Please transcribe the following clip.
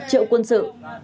triệu quân sự